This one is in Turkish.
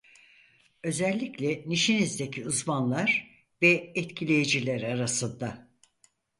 Özellikle nişinizdeki uzmanlar ve etkileyiciler arasında.